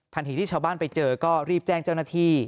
ที่ชาวบ้านไปเจอก็รีบแจ้งเจ้าหน้าที่